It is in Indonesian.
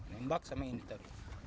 ngembak sama yang ditaruh